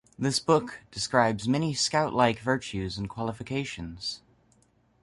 The book describes many Scout-like virtues and qualifications.